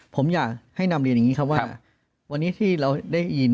ผมอยากให้นำเรียนอย่างนี้ครับว่าวันนี้ที่เราได้ยิน